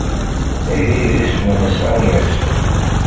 Ihi, isem-nnes Agnes.